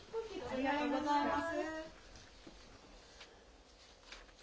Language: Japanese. ありがとうございます。